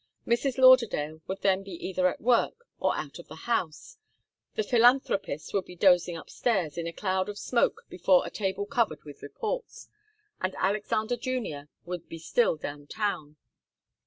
Mrs. Lauderdale would then be either at work or out of the house, the philanthropist would be dozing upstairs in a cloud of smoke before a table covered with reports, and Alexander Junior would be still down town.